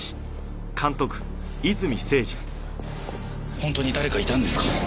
本当に誰かいたんですか？